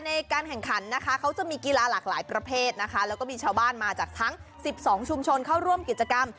ในการแข่งขันนะคะเขาจะมีกีฬาหลากหลายประเภทนะคะแล้วก็มีชาวบ้านมาจากทั้ง๑๒ชุมชนเข้าร่วมกิจกรรม